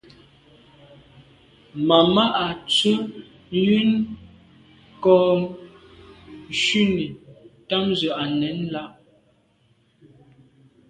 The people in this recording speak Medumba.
Màmá à’ tswə́ yə́n kɔ̌ shúnì támzə̄ à nɛ̌n lá’.